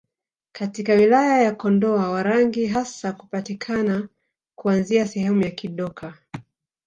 Katika wilaya ya Kondoa Warangi hasa hupatikana kuanzia sehemu za Kidoka